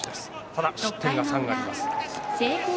ただ、失点が３あります。